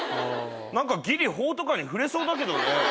何かぎり法とかに触れそうだけどね。